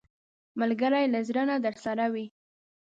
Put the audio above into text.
ملګری له زړه نه درسره وي